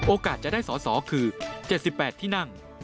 โอกาสจะได้สอคือ๗๘ที่นั่ง